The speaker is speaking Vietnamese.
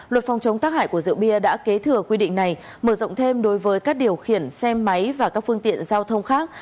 luật phòng chống tác hại của rượu bia đã kế thừa quy định này mở rộng thêm đối với các điều khiển xe máy và các phương tiện giao thông khác